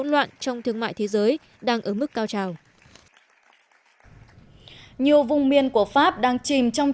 đoạn trong thương mại thế giới đang ở mức cao trào nhiều vùng miền của pháp đang chìm trong